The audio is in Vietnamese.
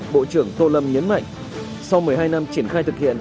bộ trưởng tô lâm nhấn mạnh sau một mươi hai năm triển khai thực hiện